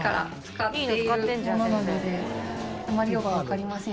あまりよくわかりません。